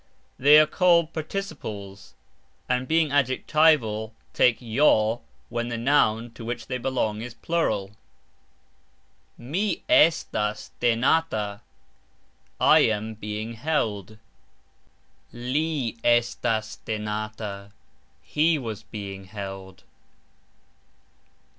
They are called PARTICIPLES, and being adjectival, take "j" when the noun to which they belong is plural. Mi estas tenata ............. I am (being) held. Li estis tenata ............. He was (being) held.